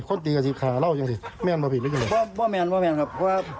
คนตีกระจิบขาเราจริงจริงแม่นบอกผิดหรือเปล่าบอกแม่นบอกแม่นครับ